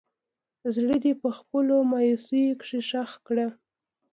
زړه دې په خپلو مايوسو کښې ښخ کړه